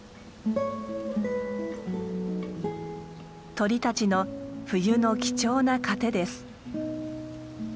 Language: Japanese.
鳥たちの冬の貴重な糧です。